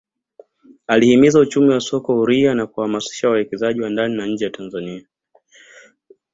Alihimiza uchumi wa soko huria na kuwahamasisha wawekezaji wa ndani na nje ya Tanzania